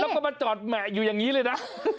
แล้วก็มาจอดแหมะอยู่อย่างนี้เลยนะ